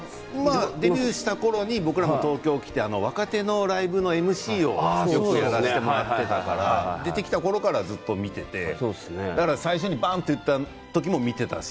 デビューしたころに僕らも東京に来て若手のライブのＭＣをやらせてもらっていたから出てきてからずっと見ていて最初にばんといった時も見ていたし